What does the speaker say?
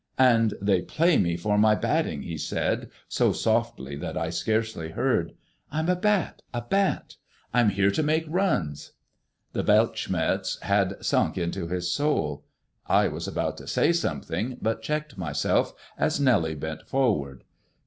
"And they play me for my batting," he said, so softly that I scarcely heard. "I'm a bat a bat. I'm here to make runs." The Weltschmerz had sunk into his soul. I was about to say something, but checked myself as Nellie bent forward.